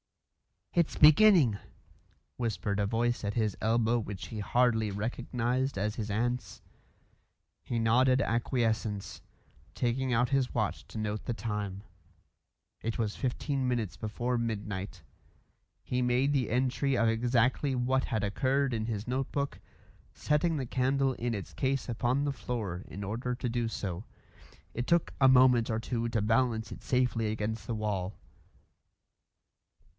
"It's beginning," whispered a voice at his elbow which he hardly recognised as his aunt's. He nodded acquiescence, taking out his watch to note the time. It was fifteen minutes before midnight; he made the entry of exactly what had occurred in his notebook, setting the candle in its case upon the floor in order to do so. It took a moment or two to balance it safely against the wall.